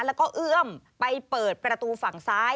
แล้วก็เอื้อมไปเปิดประตูฝั่งซ้าย